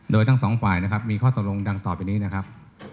โดยทั้งสองฝ่ายนะครับมีข้อตกลงดังต่อไปนี้นะครับ